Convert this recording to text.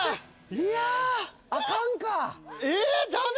いやあかんかえっ！？